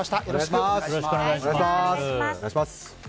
よろしくお願いします。